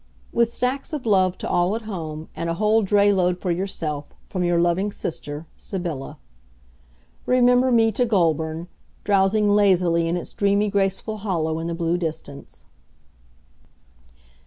With stacks of love to all at home, and a whole dray load for yourself, from your loving sister, Sybylla. Remember me to Goulburn, drowsing lazily in its dreamy graceful hollow in the blue distance.